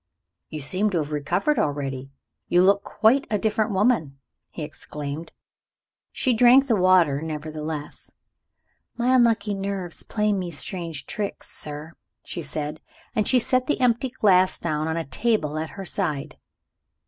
"You seem to have recovered already you look quite a different woman!" he exclaimed. She drank the water nevertheless. "My unlucky nerves play me strange tricks, sir," she answered, as she set the empty glass down on a table at her side.